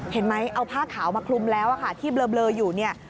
เห็นไหมเอาผ้าขาวมาคลุมแล้วค่ะที่เบลออยู่เนี่ย